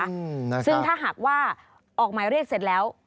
ซึ่งถ้าหากว่าออกหมายเรียกเสร็จแล้ว